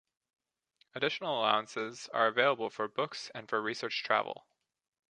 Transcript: Additional allowances are available for books and for research travel.